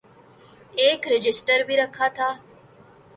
ایک رجسٹر بھی رکھا تھا۔